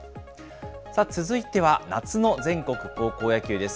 さあ、続いては夏の全国高校野球です。